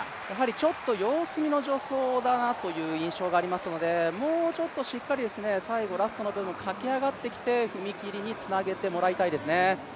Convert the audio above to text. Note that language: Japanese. ちょっと様子見の助走だなという印象がありますのでもうちょっとしっかり、最後ラストの部分、駆け上がってきて踏み切りにつなげてもらいたいですね。